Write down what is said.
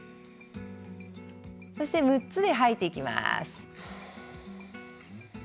そして、６つで吐いていきます。